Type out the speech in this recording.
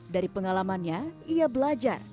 dari pengalamannya ia belajar